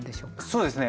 そうですね。